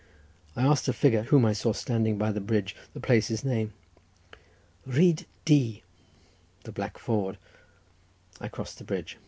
I asked a figure whom I saw standing by the bridge the place's name. "Rhyd du"—the black ford—I crossed the bridge.